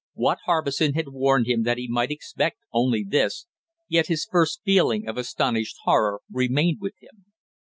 Watt Harbison had warned him that he might expect only this, yet his first feeling of astonished horror remained with him.